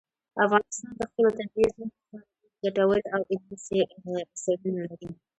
افغانستان د خپلو طبیعي زیرمو په اړه ډېرې ګټورې او علمي څېړنې لري.